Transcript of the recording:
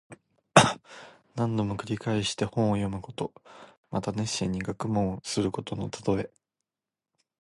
何度も繰り返して本を読むこと。また熱心に学問することのたとえ。